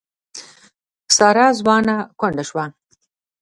ساره ځوانه کونډه شوه.